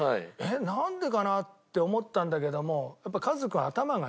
なんでかなって思ったんだけどもやっぱ。